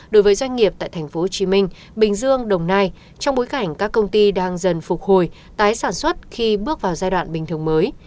đối với doanh nghiệp tại tp hcm bình dương đồng nai trong bối cảnh các công ty đang dần phục hồi tái sản xuất khi bước vào giai đoạn bình thường mới